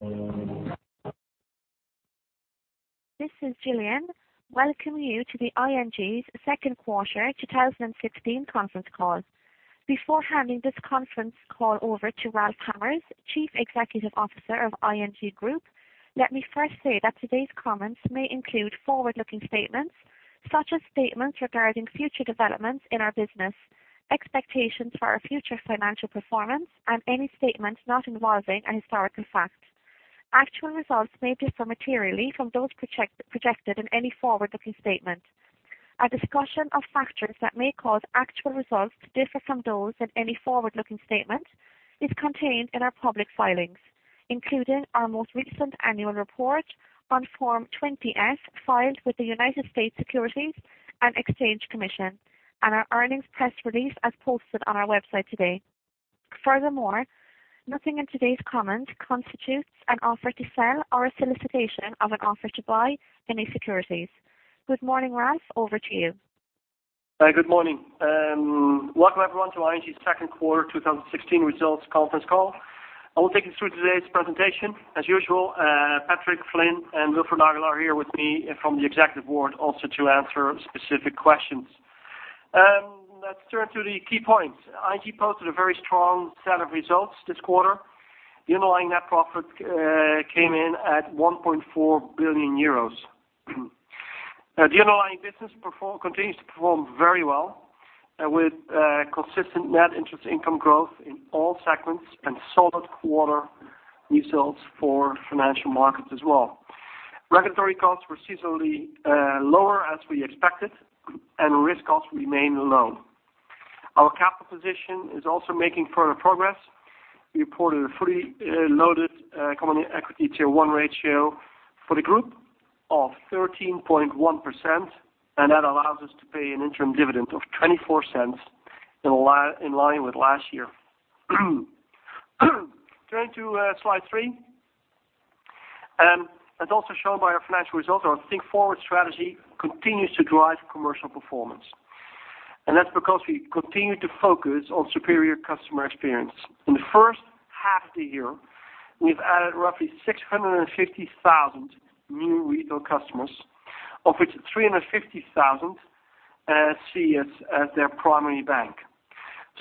This is Gillian. Welcoming you to ING's second quarter 2016 conference call. Before handing this conference call over to Ralph Hamers, Chief Executive Officer of ING Groep, let me first say that today's comments may include forward-looking statements, such as statements regarding future developments in our business, expectations for our future financial performance, and any statements not involving a historical fact. Actual results may differ materially from those projected in any forward-looking statement. A discussion of factors that may cause actual results to differ from those in any forward-looking statement is contained in our public filings, including our most recent annual report on Form 20-F filed with the United States Securities and Exchange Commission, and our earnings press release as posted on our website today. Furthermore, nothing in today's comment constitutes an offer to sell or a solicitation of an offer to buy any securities. Good morning, Ralph, over to you. Good morning. Welcome everyone to ING's second quarter 2016 results conference call. I will take you through today's presentation. As usual, Patrick Flynn and Wilfred Nagel are here with me from the executive board also to answer specific questions. Let's turn to the key points. ING posted a very strong set of results this quarter. The underlying net profit came in at 1.4 billion euros. The underlying business continues to perform very well, with consistent net interest income growth in all segments and solid quarter results for financial markets as well. Regulatory costs were seasonally lower as we expected, and risk costs remained low. Our capital position is also making further progress. We reported a fully loaded common equity Tier 1 ratio for the group of 13.1%, and that allows us to pay an interim dividend of 0.24 in line with last year. Turning to slide three. As also shown by our financial results, our Think Forward strategy continues to drive commercial performance, and that's because we continue to focus on superior customer experience. In the first half of the year, we've added roughly 650,000 new retail customers, of which 350,000 see us as their primary bank.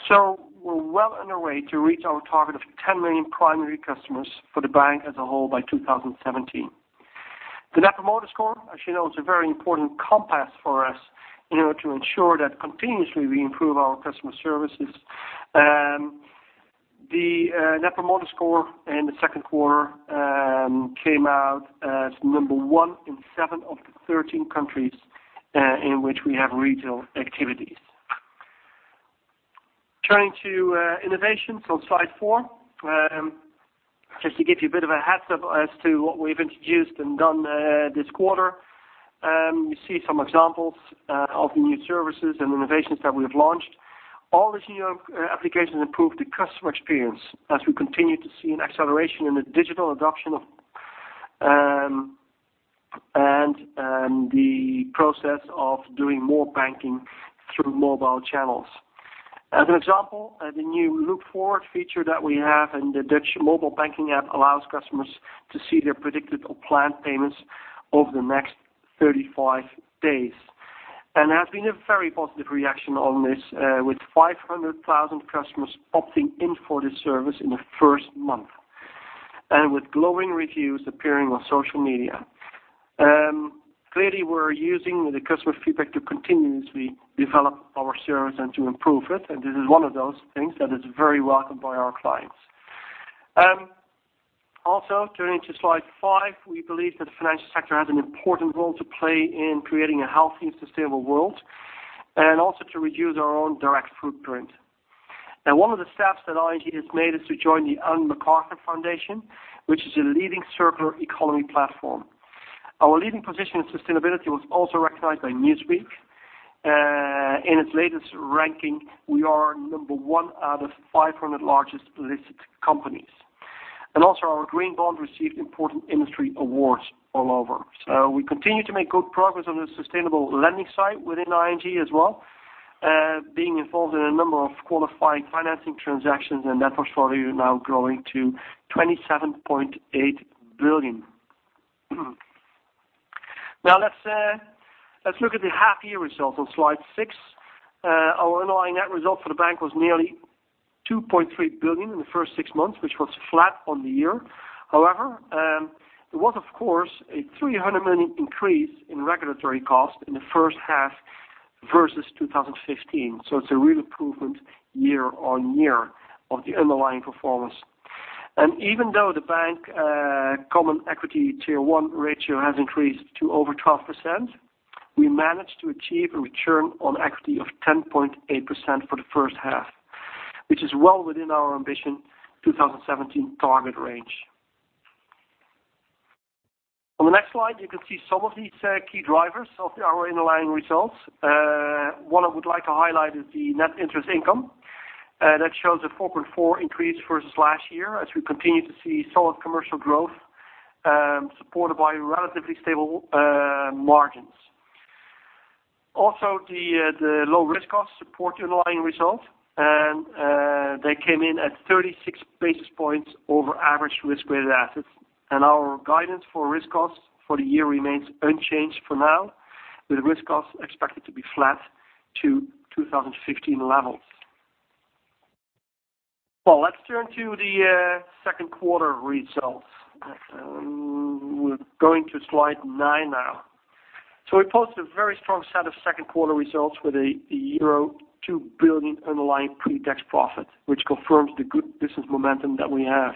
We're well on our way to reach our target of 10 million primary customers for the bank as a whole by 2017. The Net Promoter Score, as you know, is a very important compass for us in order to ensure that continuously we improve our customer services. The Net Promoter Score in the second quarter came out as number one in seven of the 13 countries in which we have retail activities. Turning to innovations on slide four. Just to give you a bit of a heads-up as to what we've introduced and done this quarter. You see some examples of the new services and innovations that we have launched. All these new applications improve the customer experience as we continue to see an acceleration in the digital adoption and the process of doing more banking through mobile channels. As an example, the new Look Ahead feature that we have in the Dutch mobile banking app allows customers to see their predicted or planned payments over the next 35 days. There has been a very positive reaction on this, with 500,000 customers opting in for this service in the first month, with glowing reviews appearing on social media. Clearly, we're using the customer feedback to continuously develop our service and to improve it. This is one of those things that is very welcome by our clients. Turning to slide five, we believe that the financial sector has an important role to play in creating a healthy, sustainable world, also to reduce our own direct footprint. One of the steps that ING has made is to join the Ellen MacArthur Foundation, which is a leading circular economy platform. Our leading position in sustainability was also recognized by Newsweek. In its latest ranking, we are number 1 out of 500 largest listed companies. Also, our green bond received important industry awards all over. We continue to make good progress on the sustainable lending side within ING as well, being involved in a number of qualifying financing transactions, and that portfolio now growing to 27.8 billion. Let's look at the half year results on slide six. Our underlying net result for the bank was nearly 2.3 billion in the first six months, which was flat on the year. However, there was of course a 300 million increase in regulatory cost in the first half versus 2015. It's a real improvement year-over-year of the underlying performance. Even though the bank common equity Tier 1 ratio has increased to over 12%, we managed to achieve a return on equity of 10.8% for the first half, which is well within our ambition 2017 target range. On the next slide, you can see some of these key drivers of our underlying results. One I would like to highlight is the net interest income. That shows a 4.4% increase versus last year as we continue to see solid commercial growth, supported by relatively stable margins. The low risk costs support underlying results. They came in at 36 basis points over average risk-weighted assets. Our guidance for risk costs for the year remains unchanged for now, with risk costs expected to be flat to 2015 levels. Let's turn to the second quarter results. We're going to slide nine now. We posted a very strong set of second quarter results with a euro 2 billion underlying pre-tax profit, which confirms the good business momentum that we have.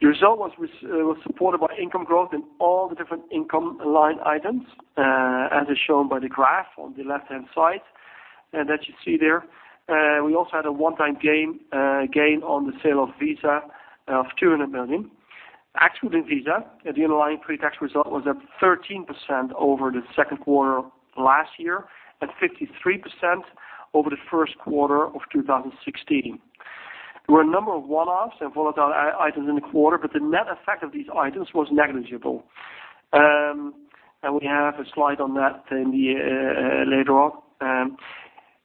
The result was supported by income growth in all the different income line items, as is shown by the graph on the left-hand side. As you see there, we also had a one-time gain on the sale of Visa of 200 million. Excluding Visa, the underlying pre-tax result was up 13% over the second quarter of last year and 53% over the first quarter of 2016. There were a number of one-offs and volatile items in the quarter, but the net effect of these items was negligible. We have a slide on that later on.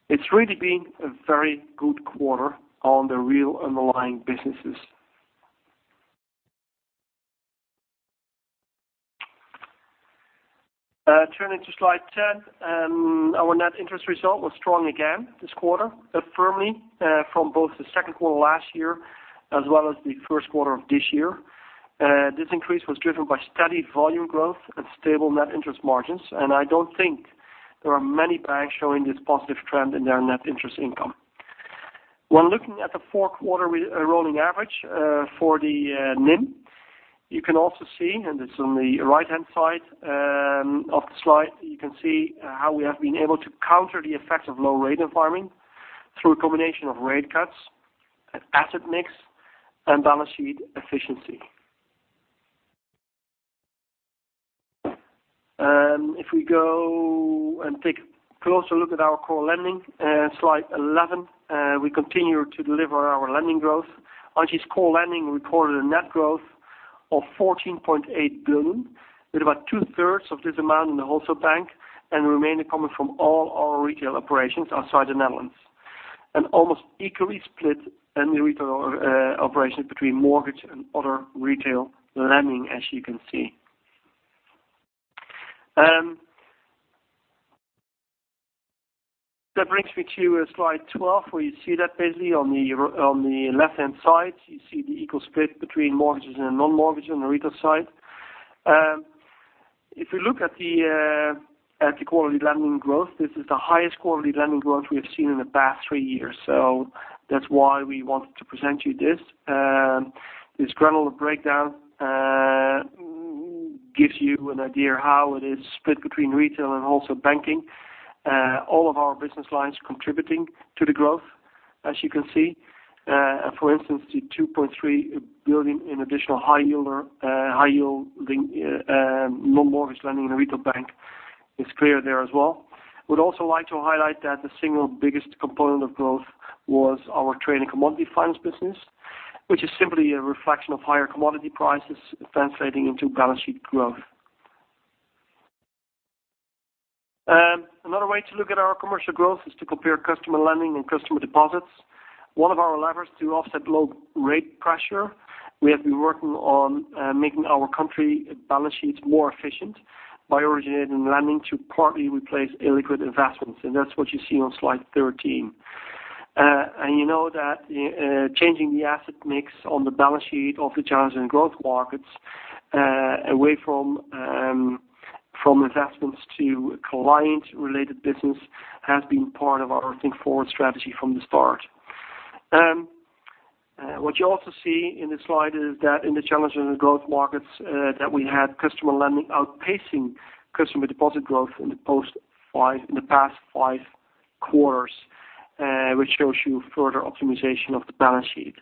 It's really been a very good quarter on the real underlying businesses. Turning to slide 10. Our net interest result was strong again this quarter, firmly from both the second quarter last year as well as the first quarter of this year. This increase was driven by steady volume growth and stable net interest margins, I don't think there are many banks showing this positive trend in their net interest income. When looking at the four-quarter rolling average for the NIM, you can also see, it's on the right-hand side of the slide, you can see how we have been able to counter the effects of low rate environment through a combination of rate cuts and asset mix and balance sheet efficiency. If we go and take a closer look at our core lending, slide 11, we continue to deliver our lending growth. ING's core lending reported a net growth of 14.8 billion, with about two-thirds of this amount in the Wholesale Bank and the remainder coming from all our retail operations outside the Netherlands. Almost equally split in the retail operations between mortgage and other retail lending, as you can see. That brings me to slide 12, where you see that basically on the left-hand side. You see the equal split between mortgages and non-mortgages on the retail side. If we look at the quality lending growth, this is the highest quality lending growth we have seen in the past three years. That's why we wanted to present you this. This granular breakdown gives you an idea how it is split between Retail and Wholesale Bank. All of our business lines contributing to the growth, as you can see. For instance, the 2.3 billion in additional high yielding non-mortgage lending in the Retail Bank is clear there as well. We'd also like to highlight that the single biggest component of growth was our trade and commodity finance business, which is simply a reflection of higher commodity prices translating into balance sheet growth. Another way to look at our commercial growth is to compare customer lending and customer deposits. One of our levers to offset low rate pressure, we have been working on making our country balance sheets more efficient by originating lending to partly replace illiquid investments, that's what you see on slide 13. You know that changing the asset mix on the balance sheet of the challenged and growth markets away from investments to client-related business has been part of our Think Forward strategy from the start. What you also see in this slide is that in the challenged and growth markets, that we had customer lending outpacing customer deposit growth in the past five quarters, which shows you further optimization of the balance sheet.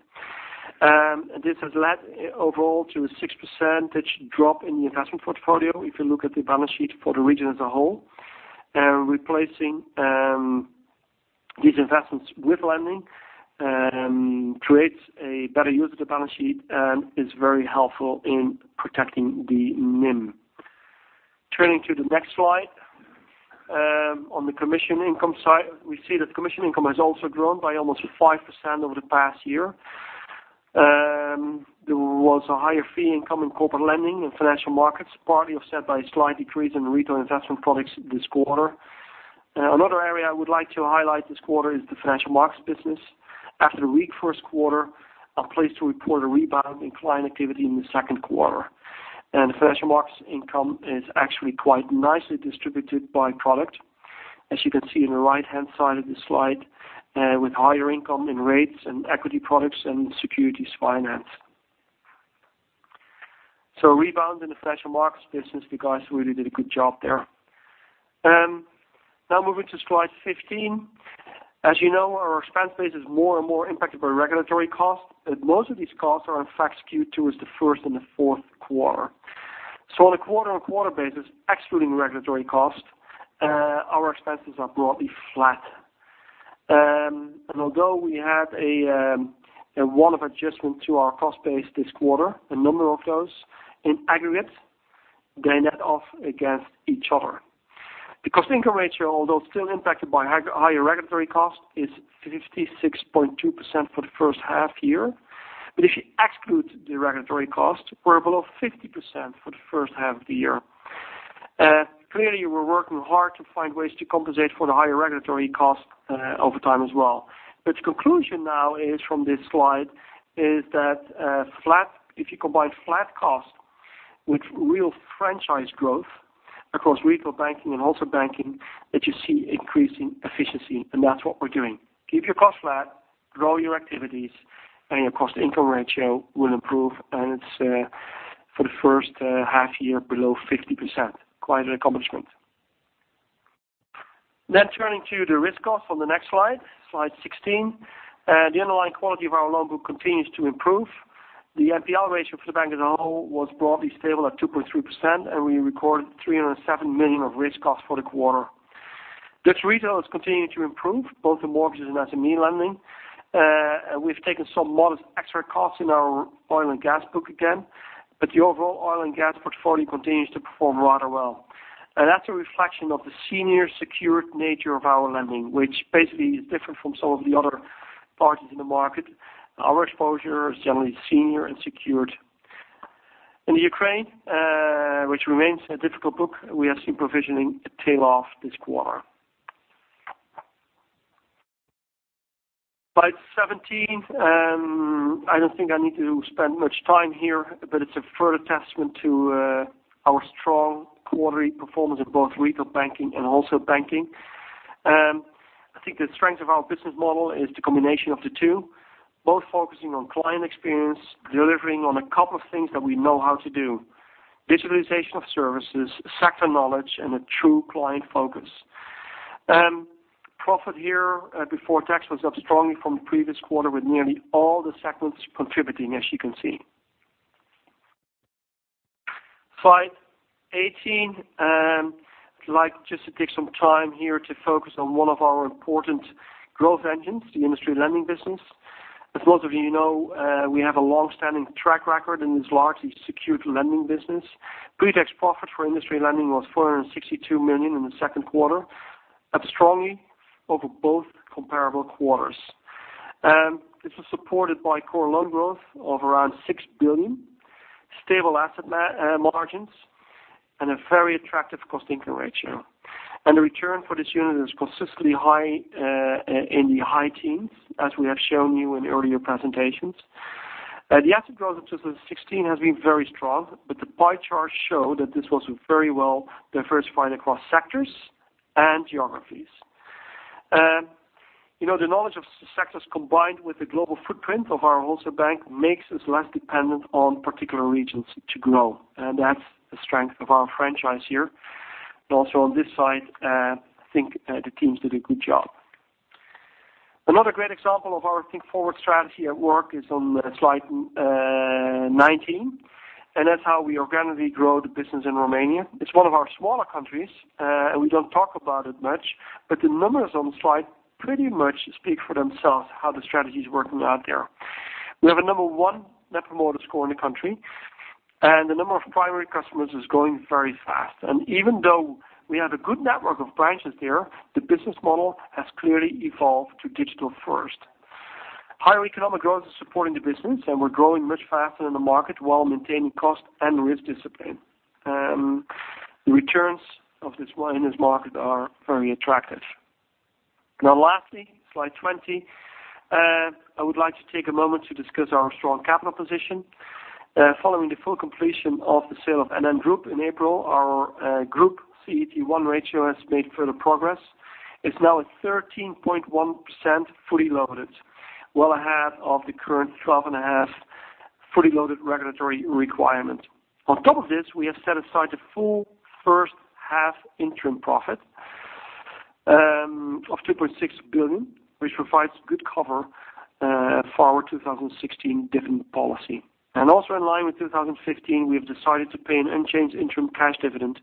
This has led overall to a 6% drop in the investment portfolio, if you look at the balance sheet for the region as a whole. Replacing these investments with lending creates a better use of the balance sheet and is very helpful in protecting the NIM. Turning to the next slide. On the commission income side, we see that commission income has also grown by almost 5% over the past year. There was a higher fee income in corporate lending and financial markets, partly offset by a slight decrease in retail investment products this quarter. Another area I would like to highlight this quarter is the financial markets business. After a weak first quarter, I'm pleased to report a rebound in client activity in the second quarter. Financial markets income is actually quite nicely distributed by product, as you can see in the right-hand side of the slide, with higher income in rates and equity products and securities finance. A rebound in the financial markets business. The guys really did a good job there. Moving to slide 15. As you know, our expense base is more and more impacted by regulatory costs, and most of these costs are in fact skewed towards the first and the fourth quarter. On a quarter-on-quarter basis, excluding regulatory costs, our expenses are broadly flat. Although we had a one-off adjustment to our cost base this quarter, a number of those in aggregate, they net off against each other. The cost-income ratio, although still impacted by higher regulatory cost, is 56.2% for the first half year. If you exclude the regulatory cost, we're below 50% for the first half of the year. Clearly, we're working hard to find ways to compensate for the higher regulatory cost over time as well. The conclusion now from this slide is that if you combine flat cost with real franchise growth across retail banking and wholesale banking, that you see increasing efficiency, and that's what we're doing. Keep your cost flat, grow your activities, your cost-income ratio will improve. It's, for the first half year, below 50%. Quite an accomplishment. Turning to the risk cost on the next slide 16. The underlying quality of our loan book continues to improve. The NPL ratio for the bank as a whole was broadly stable at 2.3%, and we recorded 307 million of risk cost for the quarter. Dutch Retail Bank is continuing to improve, both in mortgages and SME lending. We've taken some modest extra costs in our oil and gas book again, but the overall oil and gas portfolio continues to perform rather well. That's a reflection of the senior secured nature of our lending, which basically is different from some of the other parties in the market. Our exposure is generally senior and secured. In the Ukraine, which remains a difficult book, we have seen provisioning tail off this quarter. Slide 17. I don't think I need to spend much time here, but it's a further testament to our strong quarterly performance in both retail banking and wholesale banking. I think the strength of our business model is the combination of the two, both focusing on client experience, delivering on a couple of things that we know how to do. Digitalization of services, sector knowledge, and a true client focus. Profit here before tax was up strongly from the previous quarter, with nearly all the segments contributing, as you can see. Slide 18. I'd like just to take some time here to focus on one of our important growth engines, the industry lending business. As most of you know, we have a long-standing track record in this largely secured lending business. Pre-tax profit for industry lending was 462 million in the second quarter, up strongly over both comparable quarters. This was supported by core loan growth of around 6 billion, stable asset margins, and a very attractive cost-income ratio. The return for this unit is consistently in the high teens, as we have shown you in earlier presentations. The asset growth of 2016 has been very strong, but the pie charts show that this was very well diversified across sectors and geographies. The knowledge of sectors combined with the global footprint of our Wholesale Bank makes us less dependent on particular regions to grow, and that's the strength of our franchise here. Also on this side, I think the teams did a good job. Another great example of our Think Forward strategy at work is on slide 19, and that's how we organically grow the business in Romania. It's one of our smaller countries, and we don't talk about it much, but the numbers on the slide pretty much speak for themselves, how the strategy is working out there. We have a number 1 Net Promoter Score in the country, and the number of primary customers is growing very fast. Even though we have a good network of branches there, the business model has clearly evolved to digital first. Higher economic growth is supporting the business, and we're growing much faster than the market while maintaining cost and risk discipline. The returns of this one in this market are very attractive. Now lastly, slide 20. I would like to take a moment to discuss our strong capital position. Following the full completion of the sale of NN Group in April, our Group CET1 ratio has made further progress. It's now at 13.1% fully loaded, well ahead of the current 12.5 fully loaded regulatory requirement. On top of this, we have set aside the full first half interim profit of 2.6 billion, which provides good cover for our 2016 dividend policy. Also in line with 2015, we have decided to pay an unchanged interim cash dividend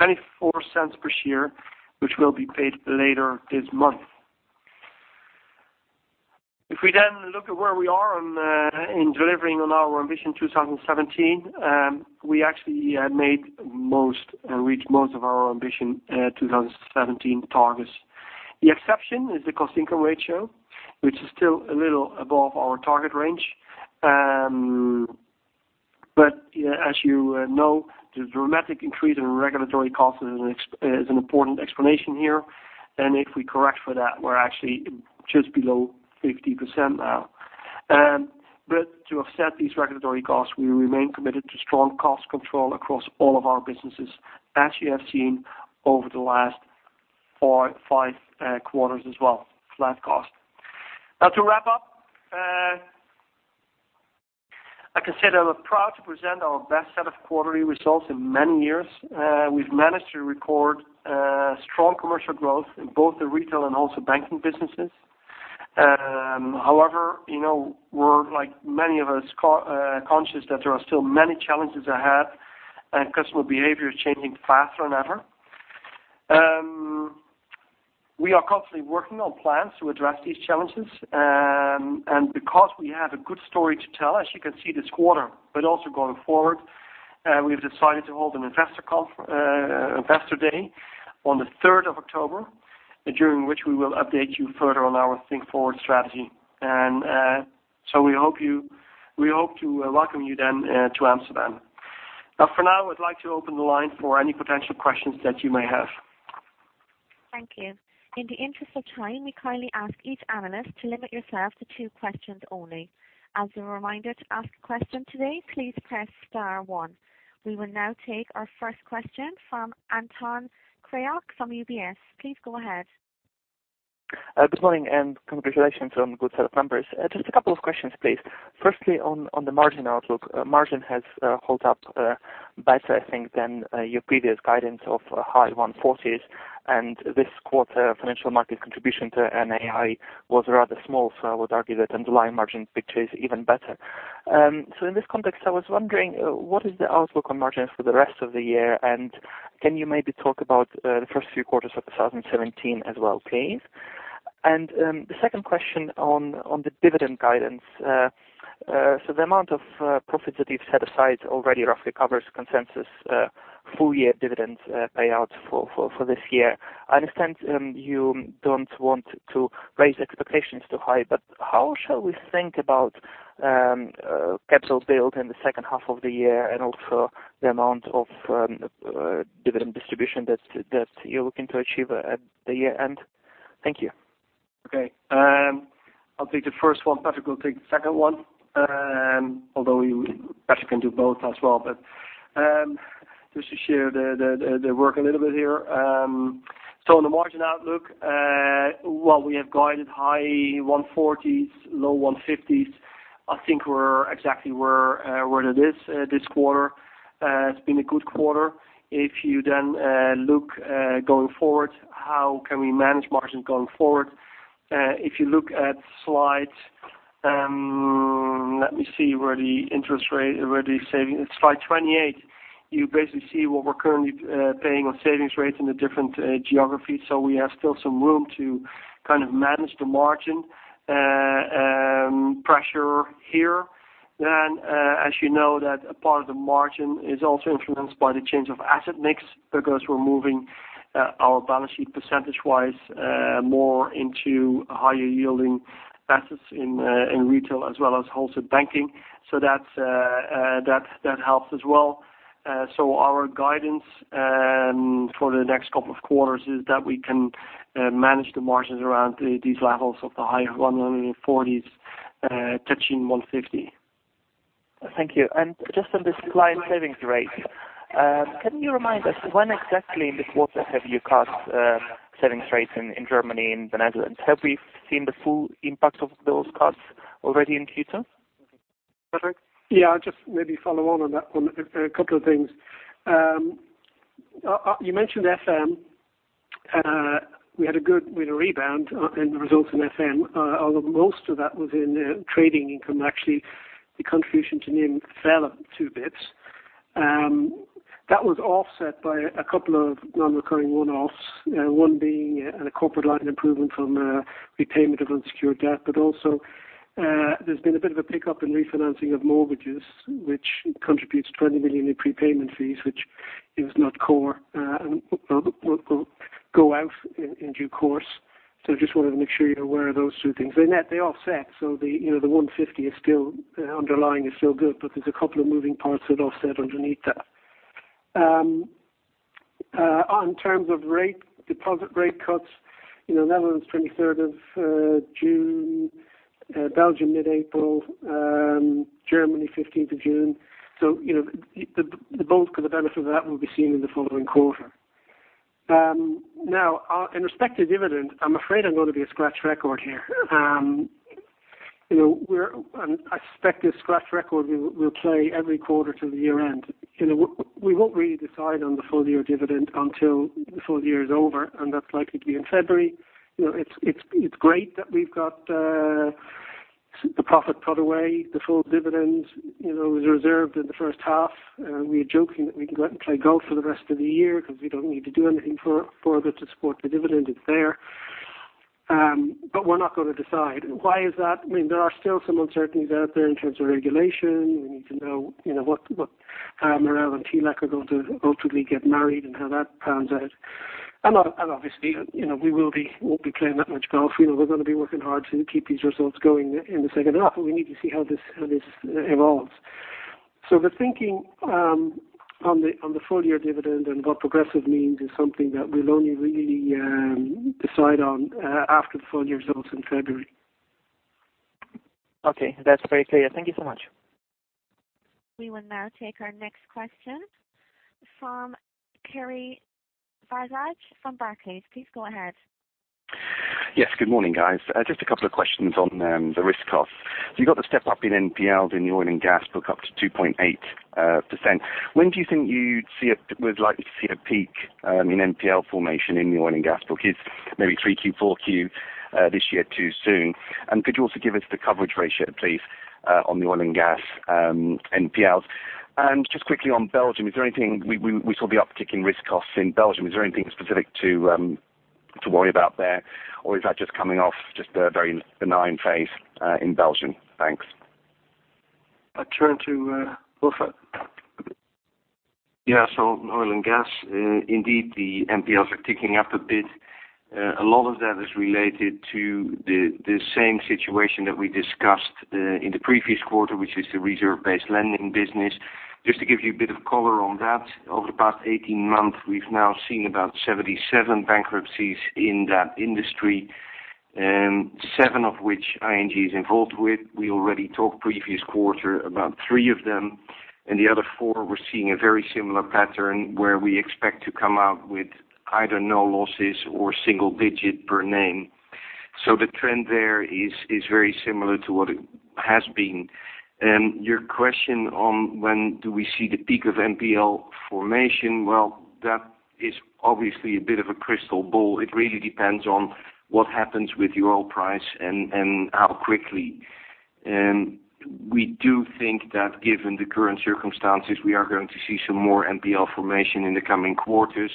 of 0.24 per share, which will be paid later this month. If we then look at where we are in delivering on our ambition 2017, we actually have reached most of our ambition 2017 targets. The exception is the cost-income ratio, which is still a little above our target range. As you know, the dramatic increase in regulatory cost is an important explanation here, and if we correct for that, we're actually just below 50% now. To offset these regulatory costs, we remain committed to strong cost control across all of our businesses, as you have seen over the last four or five quarters as well. Flat cost. Now to wrap up, I can say that we're proud to present our best set of quarterly results in many years. We've managed to record strong commercial growth in both the retail and wholesale banking businesses. However, we're like many of us conscious that there are still many challenges ahead and customer behavior is changing faster than ever. We are constantly working on plans to address these challenges. Because we have a good story to tell, as you can see this quarter, but also going forward, we've decided to hold an investor day on the 3rd of October, during which we will update you further on our Think Forward strategy. We hope to welcome you then to Amsterdam. For now, I'd like to open the line for any potential questions that you may have. Thank you. In the interest of time, we kindly ask each analyst to limit yourself to two questions only. As a reminder, to ask a question today, please press star one. We will now take our first question from Anton Kryachok from UBS. Please go ahead. Good morning. Congratulations on good set of numbers. Just a couple of questions, please. Firstly, on the margin outlook. Margin has held up better, I think, than your previous guidance of high 140s. This quarter financial market contribution to NII was rather small. I would argue that underlying margin picture is even better. In this context, I was wondering, what is the outlook on margins for the rest of the year, and can you maybe talk about the first few quarters of 2017 as well, please? The second question on the dividend guidance. The amount of profits that you've set aside already roughly covers consensus full year dividend payout for this year. I understand you don't want to raise expectations too high. How shall we think about capital build in the second half of the year and also the amount of dividend distribution that you're looking to achieve at the year-end? Thank you. Okay. I'll take the first one. Patrick will take the second one. Although Patrick can do both as well, but just to share the work a little bit here. On the margin outlook, while we have guided high 140s, low 150s, I think we're exactly where it is this quarter. It's been a good quarter. If you look going forward, how can we manage margin going forward? If you look at slide, let me see where the interest rate, where the savings, slide 28, you basically see what we're currently paying on savings rates in the different geographies. We have still some room to manage the margin pressure here. As you know that a part of the margin is also influenced by the change of asset mix because we're moving our balance sheet percentage-wise more into higher yielding assets in Retail Bank as well as Wholesale Bank. That helps as well. Our guidance for the next couple of quarters is that we can manage the margins around these levels of the higher 140s touching 150. Thank you. Just on this client savings rate. Can you remind us when exactly in the quarter have you cut savings rates in Germany and the Netherlands? Have we seen the full impact of those cuts already in Q2? Patrick? I'll just maybe follow on that one. A couple of things. You mentioned FM. We had a rebound in the results in FM. Although most of that was in trading income actually, the contribution to NIM fell two basis points. That was offset by a couple of non-recurring one-offs, one being a corporate line improvement from repayment of unsecured debt, but also there's been a bit of a pickup in refinancing of mortgages, which contributes 20 million in prepayment fees, which is not core, and will go out in due course. I just wanted to make sure you're aware of those two things. They offset, the 150 underlying is still good, but there's a couple of moving parts that offset underneath that. In terms of deposit rate cuts, Netherlands 23rd of June, Belgium mid-April, Germany 15th of June. The bulk of the benefit of that will be seen in the following quarter. In respect to dividend, I'm afraid I'm going to be a scratch record here. I suspect this scratch record will play every quarter till the year-end. We won't really decide on the full year dividend until the full year is over, and that's likely to be in February. It's great that we've got the profit put away, the full dividend was reserved in the first half. We were joking that we can go out and play golf for the rest of the year because we don't need to do anything further to support the dividend, it's there. We're not going to decide. Why is that? There are still some uncertainties out there in terms of regulation. We need to know what MREL and TLAC are going to ultimately get married and how that pans out. Obviously we won't be playing that much golf. We're going to be working hard to keep these results going in the second half, but we need to see how this evolves. The thinking on the full year dividend and what progressive means is something that we'll only really decide on after the full year results in February. Okay, that's very clear. Thank you so much. We will now take our next question from Kiri Vijayarajah from Barclays. Please go ahead. Yes, good morning, guys. Just a couple of questions on the risk cost. You've got the step-up in NPLs in the oil and gas book up to 2.8%. When do you think we're likely to see a peak in NPL formation in the oil and gas book? Is maybe 3Q, 4Q this year too soon? Could you also give us the coverage ratio, please, on the oil and gas NPLs? Just quickly on Belgium, we saw the uptick in risk costs in Belgium. Is there anything specific to worry about there? Is that just coming off just a very benign phase in Belgium? Thanks. I'll turn to Wilfred. Yeah. Oil and gas, indeed, the NPLs are ticking up a bit. A lot of that is related to the same situation that we discussed in the previous quarter, which is the reserve-based lending business. Just to give you a bit of color on that, over the past 18 months, we've now seen about 77 bankruptcies in that industry, seven of which ING is involved with. We already talked previous quarter about three of them, and the other four, we're seeing a very similar pattern, where we expect to come out with either no losses or single digit per name. The trend there is very similar to what it has been. Your question on when do we see the peak of NPL formation, well, that is obviously a bit of a crystal ball. It really depends on what happens with the oil price and how quickly. We do think that given the current circumstances, we are going to see some more NPL formation in the coming quarters.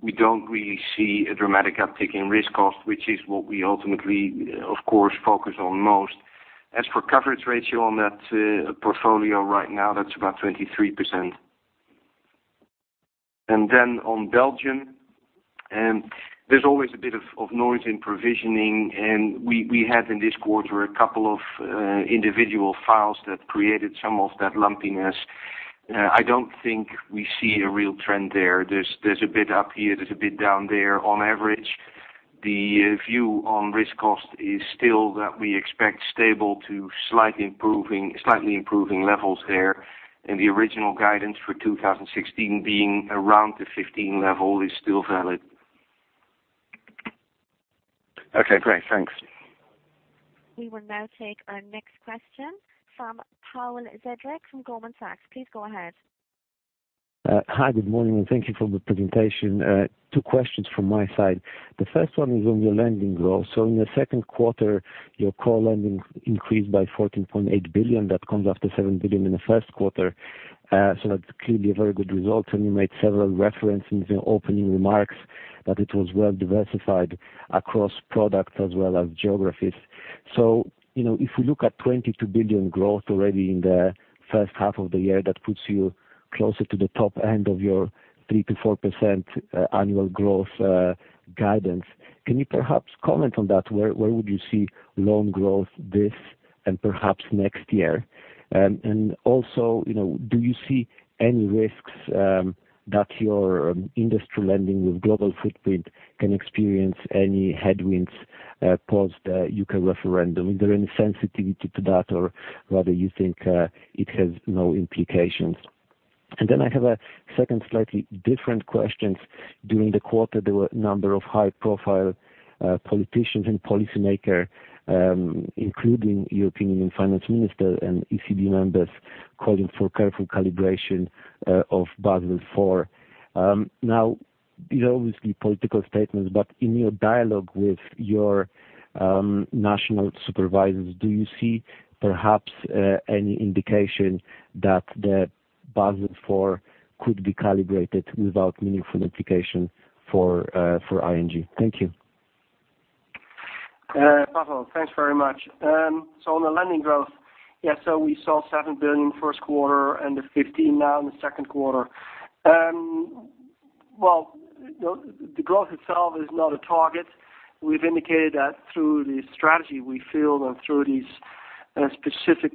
We don't really see a dramatic uptick in risk cost, which is what we ultimately, of course, focus on most. As for coverage ratio on that portfolio right now, that's about 23%. On Belgium, there's always a bit of noise in provisioning. We had in this quarter a couple of individual files that created some of that lumpiness. I don't think we see a real trend there. There's a bit up here, there's a bit down there. On average, the view on risk cost is still that we expect stable to slightly improving levels there, and the original guidance for 2016 being around the 15 level is still valid. Okay, great. Thanks. We will now take our next question from Pawel Dziedzic from Goldman Sachs. Please go ahead. Hi, good morning. Thank you for the presentation. Two questions from my side. The first one is on your lending growth. In the second quarter, your core lending increased by 14.8 billion. That comes after 7 billion in the first quarter. That's clearly a very good result, and you made several references in opening remarks that it was well diversified across products as well as geographies. If we look at 22 billion growth already in the first half of the year, that puts you closer to the top end of your 3%-4% annual growth guidance. Can you perhaps comment on that? Where would you see loan growth this and perhaps next year? And also, do you see any risks that your industry lending with global footprint can experience any headwinds post U.K. referendum? Is there any sensitivity to that, or rather you think it has no implications? I have a second slightly different question. During the quarter, there were a number of high-profile politicians and policymakers, including European Union finance minister and ECB members, calling for careful calibration of Basel IV. These are obviously political statements, but in your dialogue with your national supervisors, do you see perhaps any indication that the Basel IV could be calibrated without meaningful implication for ING? Thank you. Pawel, thanks very much. On the lending growth, we saw 7 billion first quarter and 15 billion now in the second quarter. The growth itself is not a target. We've indicated that through the strategy we feel, and through these specific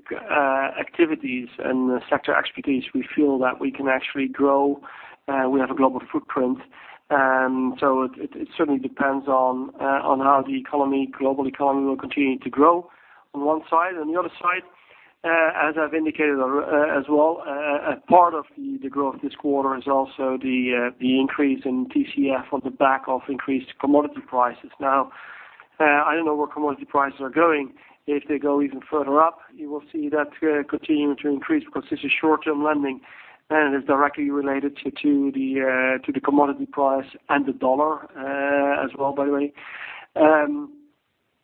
activities and sector expertise, we feel that we can actually grow. We have a global footprint. It certainly depends on how the global economy will continue to grow on one side. On the other side, as I've indicated as well, a part of the growth this quarter is also the increase in TCF on the back of increased commodity prices. I don't know where commodity prices are going. If they go even further up, you will see that continuing to increase because it's a short-term lending, and it's directly related to the commodity price and the USD as well, by the way.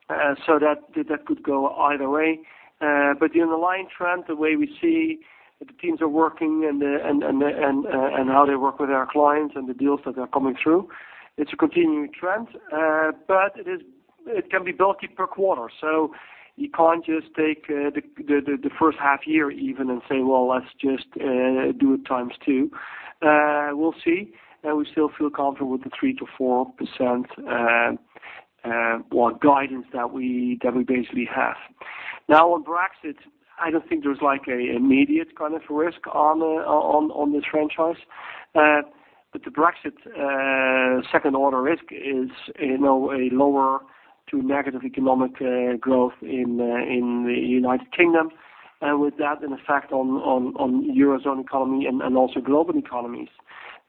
That could go either way. The underlying trend, the way we see the teams are working and how they work with our clients and the deals that are coming through, it's a continuing trend. It can be bulky per quarter. You can't just take the first half year even and say, "Let's just do it times two." We'll see. We still feel comfortable with the 3%-4% guidance that we basically have. On Brexit, I don't think there's an immediate kind of risk on this franchise. The Brexit second order risk is a lower to negative economic growth in the United Kingdom. With that, an effect on Eurozone economy and also global economies.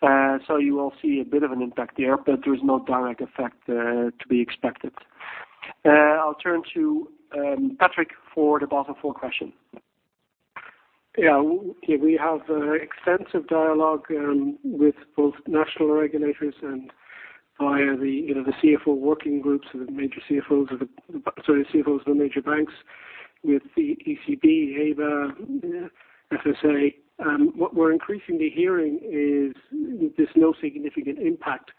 You will see a bit of an impact there, but there is no direct effect to be expected. I'll turn to Patrick for the Basel IV question. We have extensive dialogue with both national regulators and via the CFO working groups and the CFOs of the major banks with the ECB, EBA, FSB. What we're increasingly hearing is this no significant impact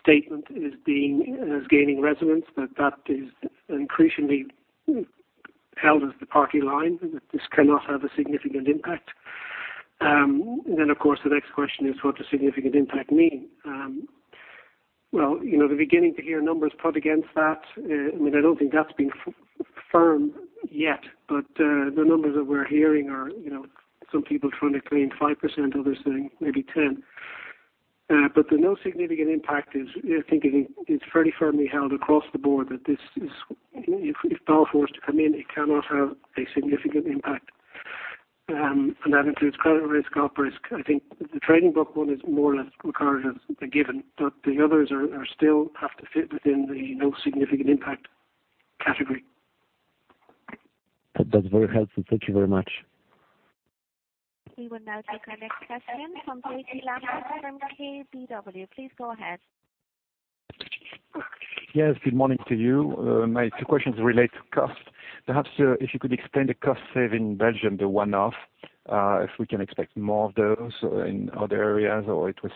statement is gaining resonance. That is increasingly held as the party line, that this cannot have a significant impact. Of course, the next question is, what does significant impact mean? Well, the beginning to hear numbers put against that, I don't think that's been firmed yet. The numbers that we're hearing are, some people trying to claim 5%, others saying maybe 10. The no significant impact is, I think it's fairly firmly held across the board that if Basel IV is to come in, it cannot have a significant impact. That includes credit risk, op risk. I think the trading book one is more or less regarded as a given, the others still have to fit within the no significant impact category. That's very helpful. Thank you very much. We will now take our next question from David Lamb from KBW. Please go ahead. Yes. Good morning to you. My two questions relate to cost. Perhaps, if you could explain the cost save in Belgium, the one-off, if we can expect more of those in other areas, or it was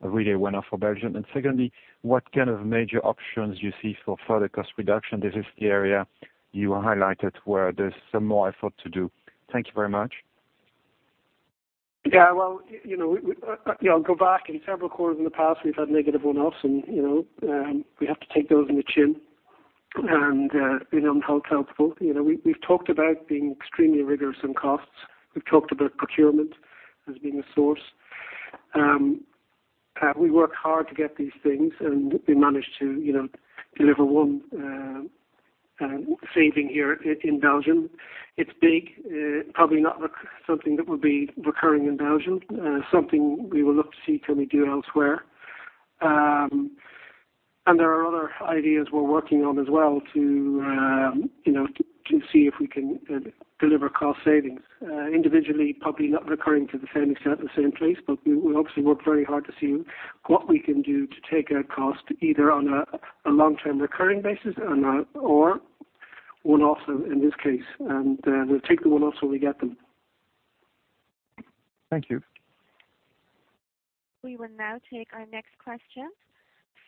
really a one-off for Belgium. Secondly, what kind of major options you see for further cost reduction? This is the area you highlighted where there's some more effort to do. Thank you very much. Yeah. Well, go back in several quarters in the past, we've had negative one-offs, and we have to take those on the chin and hold counsel. We've talked about being extremely rigorous on costs. We've talked about procurement as being a source. We work hard to get these things. We managed to deliver one saving here in Belgium. It's big. Probably not something that would be recurring in Belgium. Something we will look to see can we do elsewhere. There are other ideas we're working on as well to see if we can deliver cost savings. Individually, probably not recurring to the same extent in the same place, but we obviously work very hard to see what we can do to take out cost, either on a long-term recurring basis or one-off in this case. We'll take the one-offs when we get them. Thank you. We will now take our next question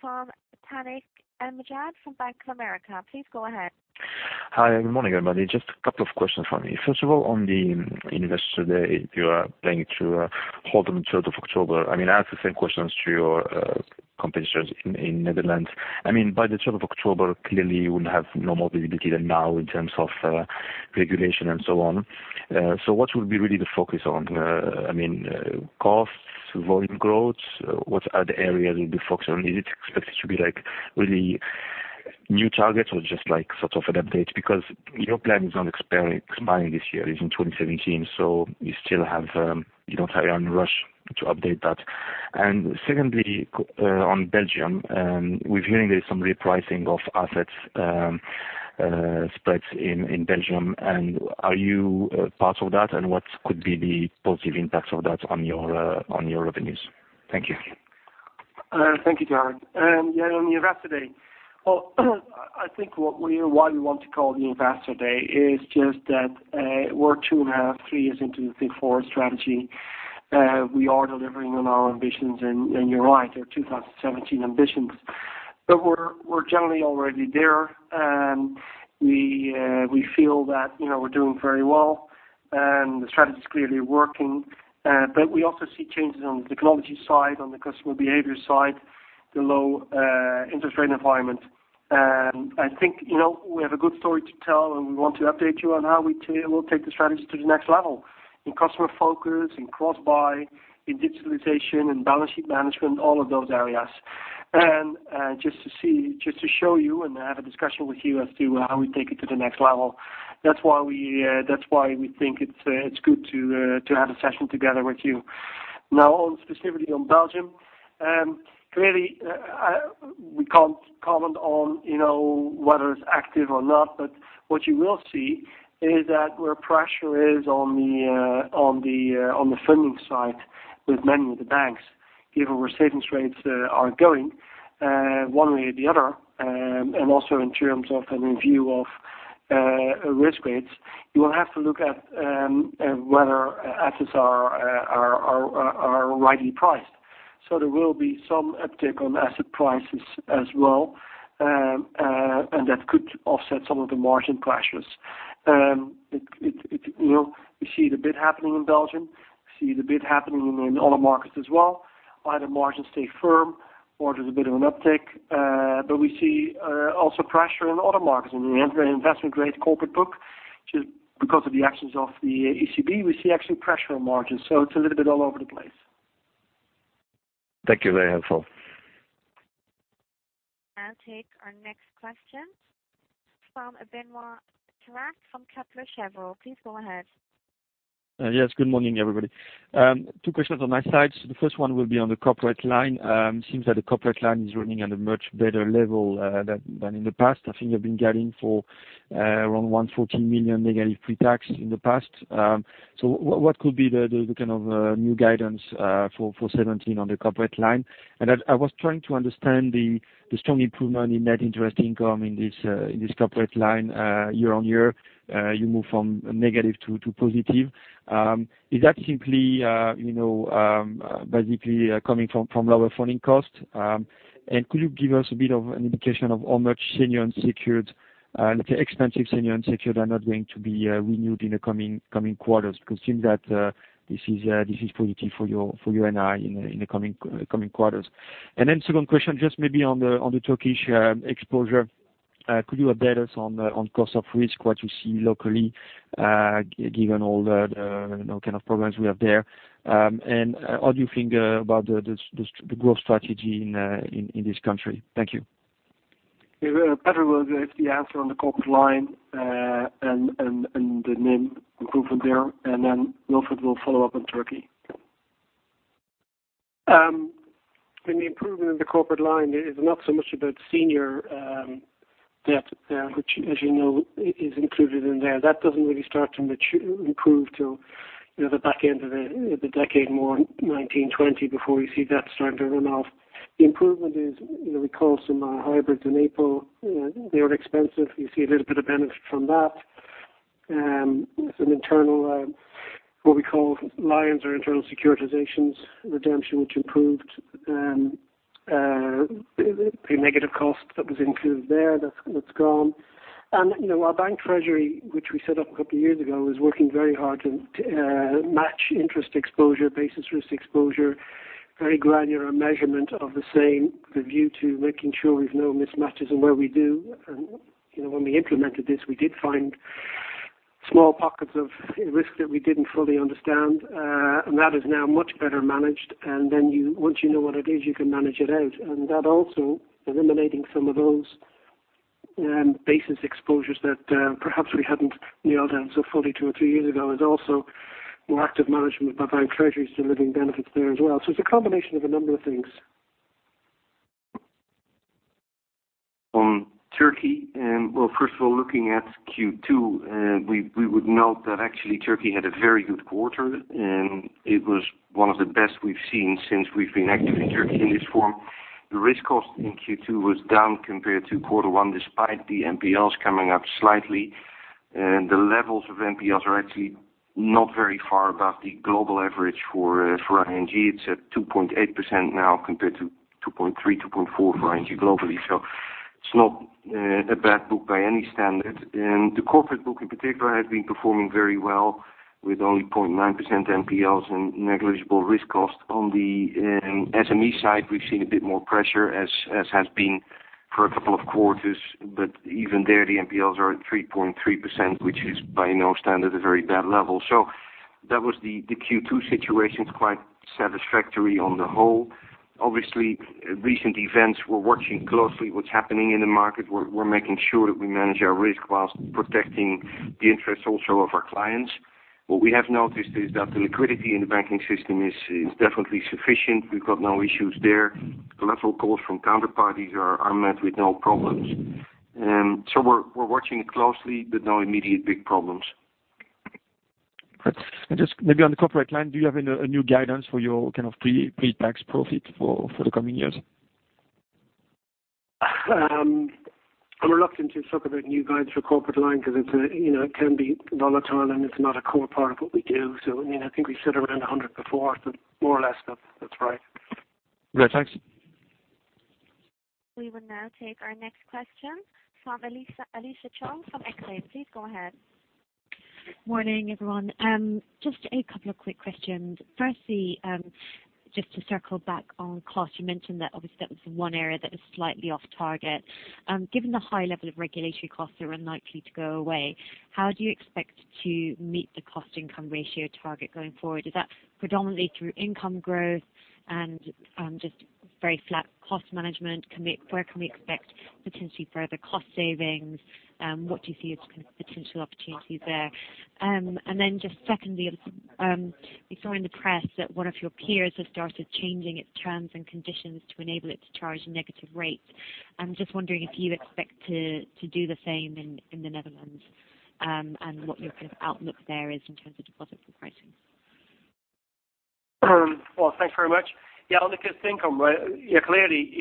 from [Panik Majed] from Bank of America. Please go ahead. Hi, good morning, everybody. Just a couple of questions from me. First of all, on the Investor Day, you are planning to hold on the 3rd of October. I ask the same questions to your competitors in Netherlands. By the 3rd of October, clearly, you will have no more visibility than now in terms of regulation and so on. What would be really the focus on, costs, volume growth? What other areas will be focused on? Is it expected to be really new targets or just an update? Your plan is not expiring this year, is in 2017, so you don't have any rush to update that. Secondly, on Belgium, we're hearing there's some repricing of assets spreads in Belgium. Are you part of that, and what could be the positive impacts of that on your revenues? Thank you. Thank you, Panik. Yeah, on the Investor Day. Well, I think why we want to call the Investor Day is just that we're two and a half, three years into the Think Forward strategy. We are delivering on our ambitions. You're right, they're 2017 ambitions. We're generally already there. We feel that we're doing very well, and the strategy's clearly working. We also see changes on the technology side, on the customer behavior side, the low interest rate environment. I think we have a good story to tell, and we want to update you on how we will take the strategy to the next level in customer focus, in cross-buy, in digitalization, in balance sheet management, all of those areas. Just to show you and have a discussion with you as to how we take it to the next level. That's why we think it's good to have a session together with you. Now, specifically on Belgium. Clearly, we can't comment on whether it's active or not, but what you will see is that where pressure is on the funding side with many of the banks, given where savings rates are going, one way or the other, and also in terms of a review of risk weights, you will have to look at whether assets are rightly priced. There will be some uptick on asset prices as well, and that could offset some of the margin pressures. We see the bid happening in Belgium. We see the bid happening in other markets as well. Either margins stay firm or there's a bit of an uptick. We see also pressure in other markets. In the investment grade corporate book, because of the actions of the ECB, we see actually pressure on margins. It's a little bit all over the place. Thank you. Very helpful. We'll take our next question from Benoît Pétrarque from Kepler Cheuvreux. Please go ahead. Yes. Good morning, everybody. Two questions on my side. The first one will be on the corporate line. It seems that the corporate line is running at a much better level than in the past. I think you've been guiding for around 114 million negative pre-tax in the past. What could be the kind of new guidance for 2017 on the corporate line? I was trying to understand the strong improvement in net interest income in this corporate line year-over-year. You move from negative to positive. Is that simply basically coming from lower funding costs? Could you give us a bit of an indication of how much expensive senior unsecured are not going to be renewed in the coming quarters, because it seems that this is positive for your NII in the coming quarters. Second question, just maybe on the Turkish exposure. Could you update us on cost of risk, what you see locally, given all the kind of problems we have there. How do you think about the growth strategy in this country? Thank you. Patrick will give the answer on the corporate line, and the NIM improvement there. Wilfred Nagel will follow up on Turkey. The improvement in the corporate line, it is not so much about senior debt, which as you know, is included in there. That doesn't really start to improve till the back end of the decade, more 2019, 2020, before you see that starting to run off. The improvement is, we call some hybrids in April. They're expensive. You see a little bit of benefit from that. Some internal, what we call Lions or internal securitizations redemption, which improved. The negative cost that was included there, that's gone. Our bank treasury, which we set up a couple of years ago, is working very hard to match interest exposure, basis risk exposure, very granular measurement of the same with a view to making sure we've no mismatches, and where we do. When we implemented this, we did find small pockets of risk that we didn't fully understand. That is now much better managed. Once you know what it is, you can manage it out. That also eliminating some of those basis exposures that perhaps we hadn't nailed down so fully two or three years ago is also more active management by bank treasuries delivering benefits there as well. It's a combination of a number of things. On Turkey, well, first of all, looking at Q2, we would note that actually Turkey had a very good quarter. It was one of the best we've seen since we've been active in Turkey in this form. The risk cost in Q2 was down compared to quarter one, despite the NPLs coming up slightly. The levels of NPLs are actually not very far above the global average for ING. It's at 2.8% now compared to 2.3%, 2.4% for ING globally. It's not a bad book by any standard. The corporate book in particular has been performing very well with only 0.9% NPLs and negligible risk cost. On the SME side, we've seen a bit more pressure as has been for a couple of quarters, but even there, the NPLs are at 3.3%, which is by no standard a very bad level. That was the Q2 situation. It's quite satisfactory on the whole. Obviously, recent events, we're watching closely what's happening in the market. We're making sure that we manage our risk whilst protecting the interests also of our clients. What we have noticed is that the liquidity in the banking system is definitely sufficient. We've got no issues there. Collateral calls from counterparties are met with no problems. We're watching it closely, but no immediate big problems. maybe on the corporate line, do you have a new guidance for your kind of pre-tax profit for the coming years? I'm reluctant to talk about new guidance for corporate line because it can be volatile, and it's not a core part of what we do. I think we sit around 100 before, more or less that's right. Great. Thanks. We will now take our next question from Alicia Chung from Exane. Please go ahead. Morning, everyone. Just a couple of quick questions. Firstly, just to circle back on cost, you mentioned that obviously that was the one area that was slightly off target. Given the high level of regulatory costs that are unlikely to go away, how do you expect to meet the cost-income ratio target going forward? Is that predominantly through income growth and just very flat cost management? Where can we expect potentially further cost savings? What do you see as potential opportunities there? Secondly, we saw in the press that one of your peers has started changing its terms and conditions to enable it to charge negative rates. I am just wondering if you expect to do the same in the Netherlands, and what your kind of outlook there is in terms of deposit pricing. Thanks very much. On the cost income, clearly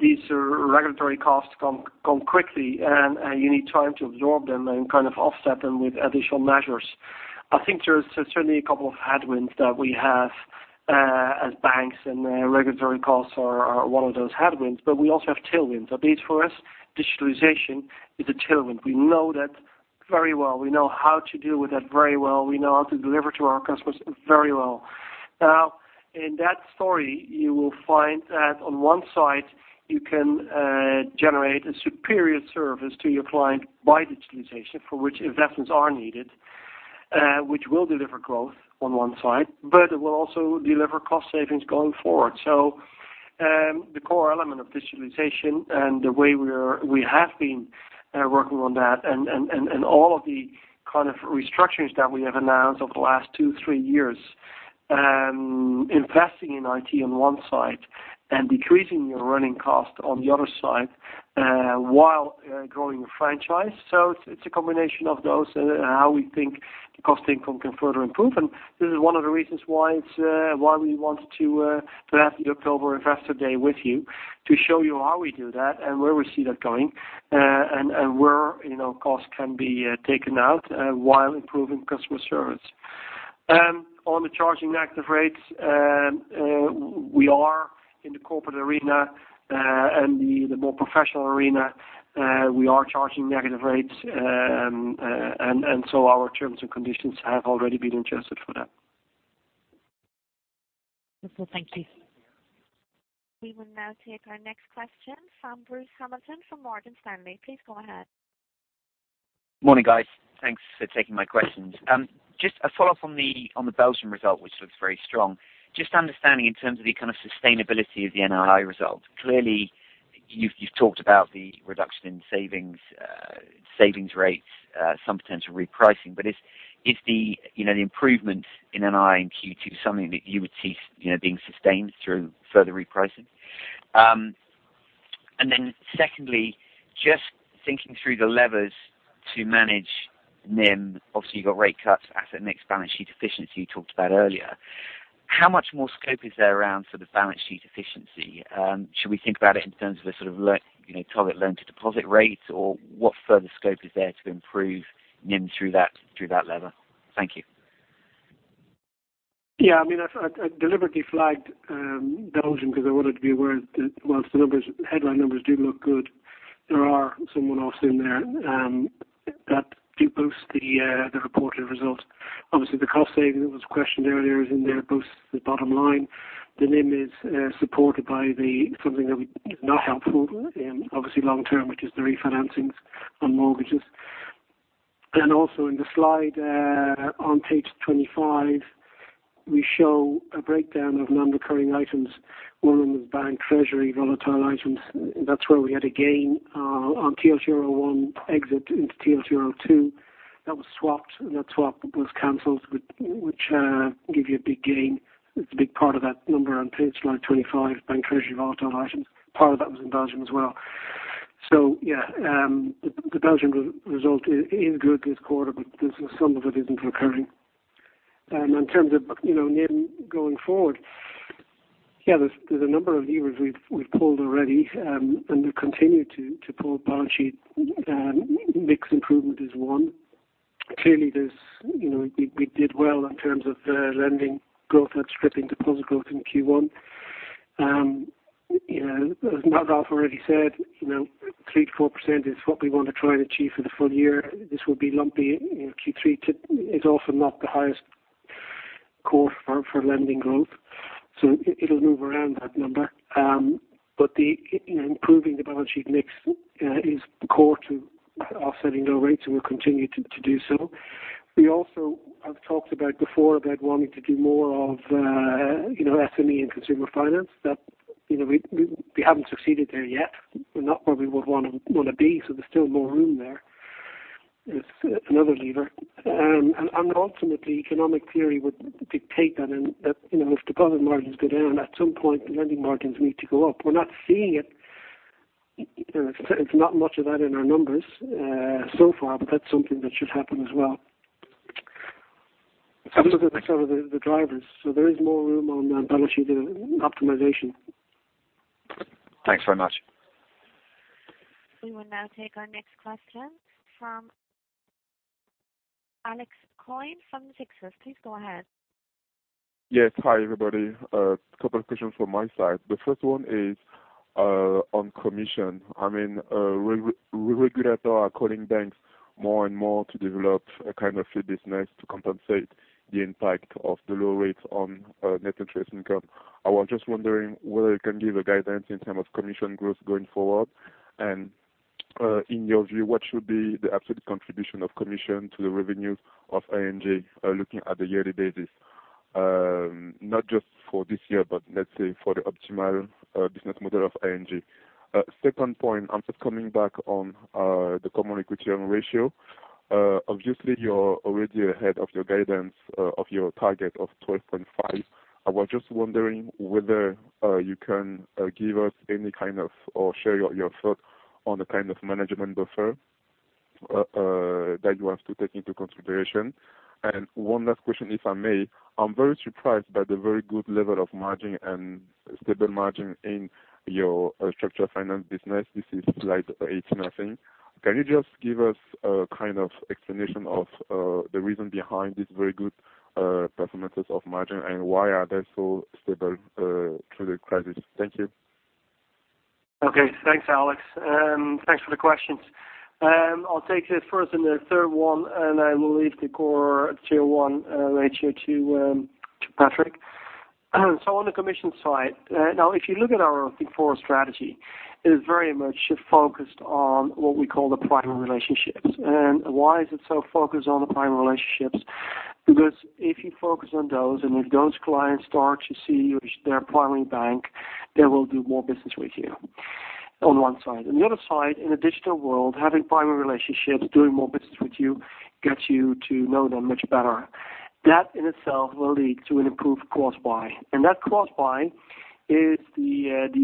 these regulatory costs come quickly, and you need time to absorb them and kind of offset them with additional measures. I think there is certainly a couple of headwinds that we have as banks, and regulatory costs are one of those headwinds, but we also have tailwinds. At least for us, digitalization is a tailwind. We know that very well. We know how to deal with that very well. We know how to deliver to our customers very well. In that story, you will find that on one side, you can generate a superior service to your client by digitalization, for which investments are needed. Which will deliver growth on one side, but it will also deliver cost savings going forward. The core element of digitalization and the way we have been working on that and all of the kind of restructurings that we have announced over the last two, three years, investing in IT on one side and decreasing your running cost on the other side while growing the franchise. It is a combination of those and how we think the cost income can further improve. This is one of the reasons why we wanted to have the October investor day with you to show you how we do that and where we see that going, and where costs can be taken out while improving customer service. On the charging negative rates, we are in the corporate arena and the more professional arena, we are charging negative rates and our terms and conditions have already been adjusted for that. Wonderful. Thank you. We will now take our next question from Bruce Hamilton from Morgan Stanley. Please go ahead. Morning, guys. Thanks for taking my questions. Just a follow-up on the Belgium result, which looks very strong. Just understanding in terms of the kind of sustainability of the NII result. Clearly, you've talked about the reduction in savings rates, some potential repricing. Is the improvement in NII in Q2 something that you would see being sustained through further repricing? Secondly, just thinking through the levers to manage NIM, obviously you've got rate cuts, asset mix, balance sheet efficiency you talked about earlier. How much more scope is there around for the balance sheet efficiency? Should we think about it in terms of the sort of target loan to deposit rates, or what further scope is there to improve NIM through that lever? Thank you. I deliberately flagged Belgium because I wanted to be aware that whilst the headline numbers do look good, there are some one-offs in there that do boost the reported results. Obviously, the cost saving that was questioned earlier is in there, boosts the bottom line. The NIM is supported by something that is not helpful in obviously long term, which is the refinancings on mortgages. Also in the slide on page 25, we show a breakdown of non-recurring items. One of them is bank treasury volatile items. That's where we had a gain on TL01 exit into TL02 that was swapped, and that swap was canceled, which gave you a big gain. It's a big part of that number on page slide 25, bank treasury volatile items. Part of that was in Belgium as well. The Belgium result is good this quarter, but some of it isn't recurring. In terms of NIM going forward, there's a number of levers we've pulled already, and we'll continue to pull balance sheet mix improvement is one. Clearly, we did well in terms of the lending growth outstripping deposit growth in Q1. As Ralph already said, 3%-4% is what we want to try and achieve for the full year. This will be lumpy in Q3. It's often not the highest quarter for lending growth, so it'll move around that number. Improving the balance sheet mix is core to offsetting low rates, and we'll continue to do so. We also have talked about before about wanting to do more of SME and consumer finance. We haven't succeeded there yet. We're not where we would want to be, so there's still more room there. It's another lever. Ultimately, economic theory would dictate that if deposit margins go down, at some point the lending margins need to go up. We're not seeing it. There's not much of that in our numbers so far, but that's something that should happen as well. Those are the drivers. There is more room on the balance sheet optimization. Thanks very much. We will now take our next question from Alex Koagne from the Natixis. Please go ahead. Yes. Hi, everybody. A couple of questions from my side. The first one is on commission. I mean, regulators are calling banks more and more to develop a kind of fee business to compensate the impact of the low rates on net interest income. I was just wondering whether you can give a guidance in term of commission growth going forward. In your view, what should be the absolute contribution of commission to the revenues of ING, looking at the yearly basis, not just for this year, but let's say for the optimal business model of ING. Second point, I'm just coming back on the Common Equity and Ratio. Obviously, you're already ahead of your guidance of your target of 12.5. I was just wondering whether you can give us any kind of, or share your thought on the kind of management buffer that you have to take into consideration. One last question, if I may. I'm very surprised by the very good level of margin and stable margin in your structured finance business. This is slide 18, I think. Can you just give us a kind of explanation of the reason behind this very good performances of margin, and why are they so stable through the crisis? Thank you. Okay. Thanks, Alex. Thanks for the questions. I'll take the first and the third one, and I will leave the core equity Tier 1 ratio to Patrick. On the commission side, now if you look at our Think Forward strategy, it is very much focused on what we call the primary relationships. Why is it so focused on the primary relationships? Because if you focus on those, and if those clients start to see you as their primary bank, they will do more business with you, on one side. On the other side, in a digital world, having primary relationships, doing more business with you, gets you to know them much better. That in itself will lead to an improved cross-buy. That cross-buy is the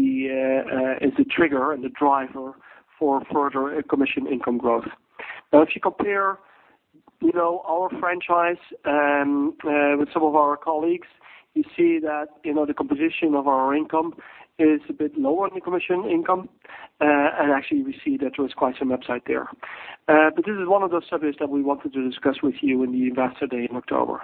trigger and the driver for further commission income growth. If you compare our franchise with some of our colleagues, you see that the composition of our income is a bit lower in the commission income. Actually we see that there is quite some upside there. This is one of those subjects that we wanted to discuss with you in the investor day in October.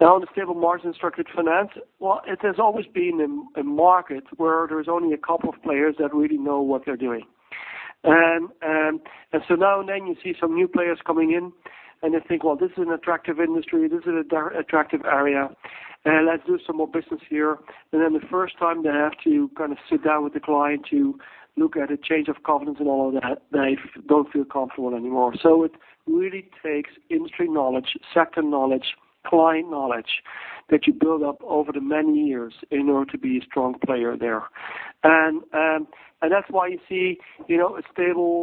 On the stable margin structured finance. Well, it has always been a market where there's only a couple of players that really know what they're doing. Now and then you see some new players coming in and they think, "Well, this is an attractive industry. This is an attractive area. Let's do some more business here." Then the first time they have to sit down with the client to look at a change of confidence and all of that, they don't feel comfortable anymore. It really takes industry knowledge, sector knowledge, client knowledge that you build up over the many years in order to be a strong player there. That's why you see stable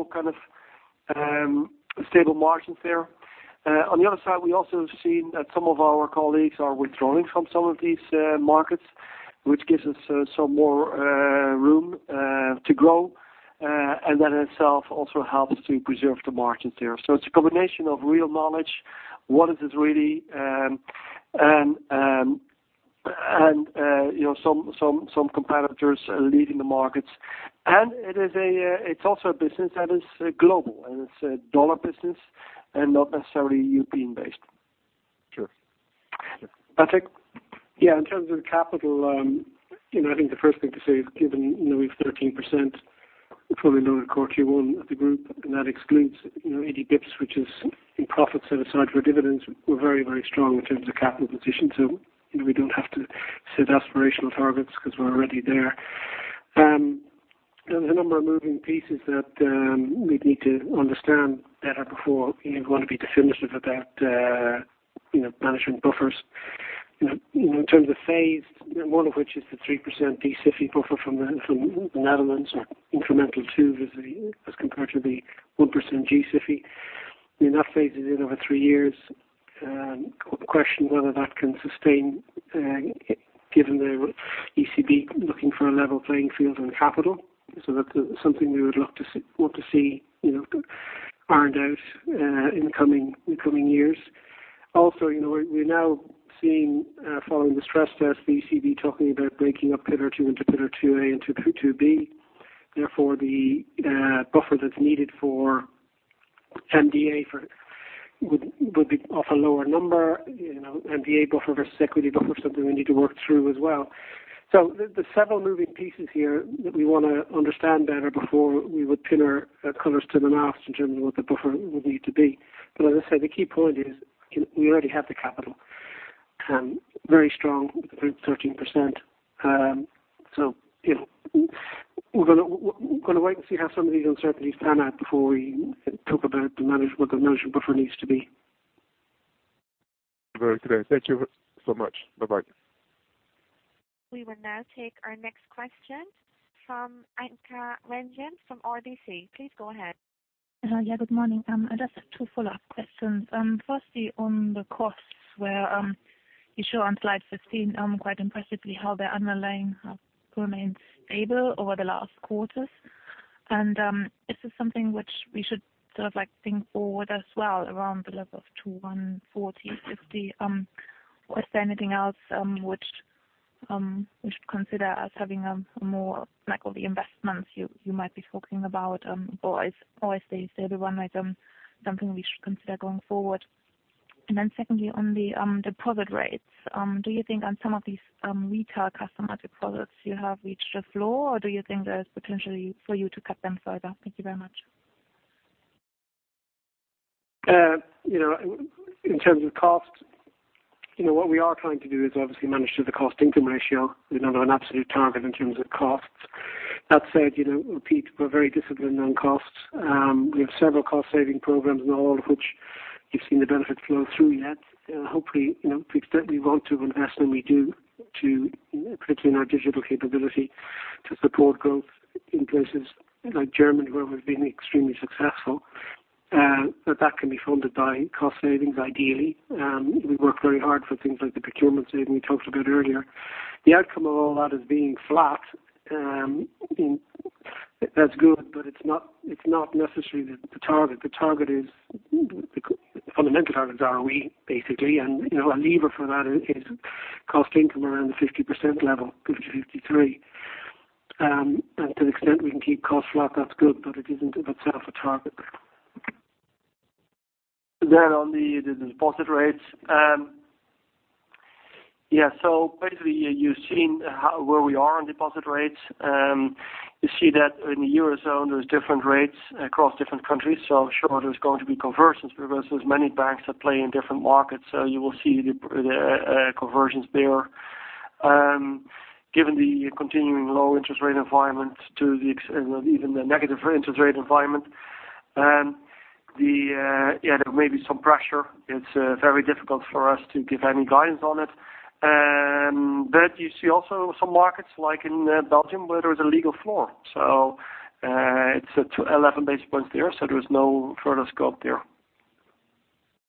margins there. On the other side, we also have seen that some of our colleagues are withdrawing from some of these markets, which gives us some more room to grow. That in itself also helps to preserve the margins there. It's a combination of real knowledge, what is this really, and some competitors leaving the markets. It's also a business that is global, and it's a dollar business and not necessarily European-based. Sure. Patrick? In terms of capital, I think the first thing to say is, given we have 13% fully loaded CET1 of the group, and that excludes any [dips which is] in profits set aside for dividends. We're very strong in terms of capital position, we don't have to set aspirational targets because we're already there. There's a number of moving pieces that we'd need to understand better before you'd want to be definitive about management buffers. In terms of phased, one of which is the 3% D-SIB buffer from the Netherlands, or incremental two as compared to the 1% G-SIB. That phases in over three years. The question whether that can sustain given the ECB looking for a level playing field on capital. That's something we would want to see earned out in the coming years. We're now seeing following the stress test, the ECB talking about breaking up Pillar 2 into Pillar 2 A and 2 B. Therefore, the buffer that's needed for MDA would be of a lower number. MDA buffer versus equity buffer is something we need to work through as well. There's several moving pieces here that we want to understand better before we would pin our colors to the mast in terms of what the buffer would need to be. As I say, the key point is we already have the capital. Very strong with the group 13%. We're going to wait and see how some of these uncertainties pan out before we talk about what the management buffer needs to be. Very clear. Thank you so much. Bye-bye. We will now take our next question from Anke Reingen from RBC. Please go ahead. Yeah, good morning. I just have two follow-up questions. Firstly, on the costs where you show on slide 15, quite impressively how the underlying have remained stable over the last quarters. Is this something which we should Think Forward as well around the level of 21, 40, 50? Is there anything else which we should consider as having a more of the investments you might be talking about, or is the stable one something we should consider going forward? Secondly, on the deposit rates. Do you think on some of these retail customer deposits you have reached a floor, or do you think there's potentially for you to cut them further? Thank you very much. In terms of cost, what we are trying to do is obviously manage the cost-income ratio. We don't have an absolute target in terms of costs. That said, repeat, we're very disciplined on costs. We have several cost-saving programs, none of which you've seen the benefit flow through yet. Hopefully, to the extent we want to invest and we do too, particularly in our digital capability to support growth in places like Germany, where we've been extremely successful. That can be funded by cost savings, ideally. We work very hard for things like the procurement saving we talked about earlier. The outcome of all that as being flat, that's good, but it's not necessarily the target. The fundamental targets are we, basically, and a lever for that is cost income around the 50% level, compared to 53. To the extent we can keep costs flat, that's good, but it isn't of itself a target. On the deposit rates. You've seen where we are on deposit rates. You see that in the Eurozone, there's different rates across different countries, sure there's going to be convergence because there's many banks that play in different markets. You will see the convergence there. Given the continuing low interest rate environment to even the negative interest rate environment, there may be some pressure. It's very difficult for us to give any guidance on it. You see also some markets like in Belgium where there is a legal floor. It's 11 basis points there is no further scope there.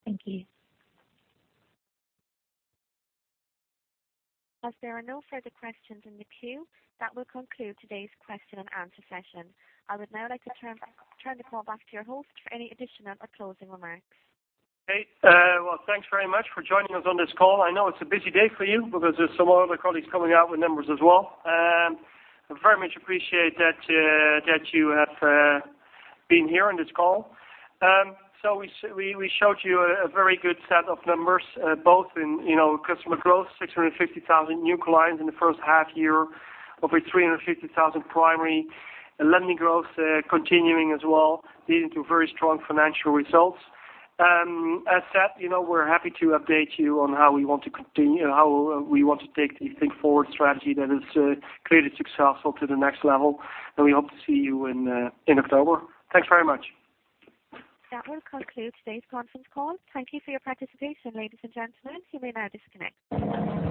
Thank you. As there are no further questions in the queue, that will conclude today's question and answer session. I would now like to turn the call back to your host for any additional or closing remarks. Okay. Well, thanks very much for joining us on this call. I know it's a busy day for you because there's some other colleagues coming out with numbers as well. I very much appreciate that you have been here on this call. We showed you a very good set of numbers both in customer growth, 650,000 new clients in the first half year of which 350,000 primary. Lending growth continuing as well, leading to very strong financial results. As said, we're happy to update you on how we want to take the Think Forward strategy that is clearly successful to the next level, and we hope to see you in October. Thanks very much. That will conclude today's conference call. Thank you for your participation, ladies and gentlemen. You may now disconnect.